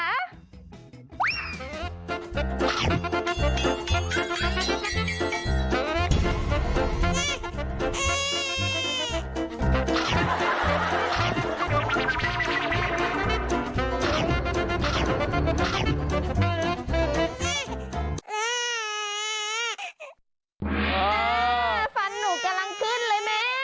แม่ฟันหนูกำลังขึ้นเลยแม่